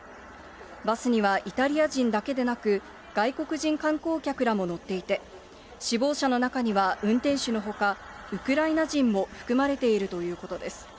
バスにはイタリア人だけでなく、外国人観光客らも乗っていて、死亡者の中には運転手のほか、ウクライナ人も含まれているということです。